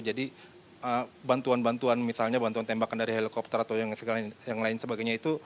jadi bantuan bantuan misalnya bantuan tembakan dari helikopter atau yang lain sebagainya itu